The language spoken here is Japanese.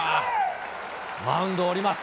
マウンドを降ります。